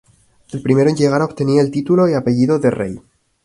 El primero en llegar obtenía el título y apellido de Rey.